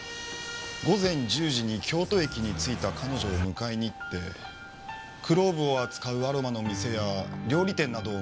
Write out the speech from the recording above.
午前１０時に京都駅に着いた彼女を迎えに行ってクローブを扱うアロマの店や料理店などを回りました。